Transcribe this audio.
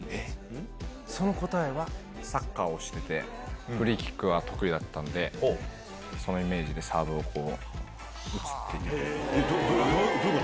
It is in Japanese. サッカーをしてて、フリーキックが得意だったんで、そのイメージでサーブをこう、どういうこと？